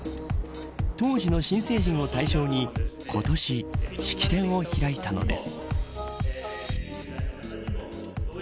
当時の新成人を対象に今年、式典を開いたのです。